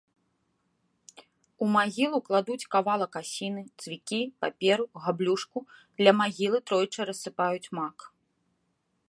У магілу кладуць кавалак асіны, цвікі, паперу, габлюшку, ля магілы тройчы рассыпаюць мак.